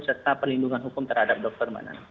serta perlindungan hukum terhadap dokter mbak nana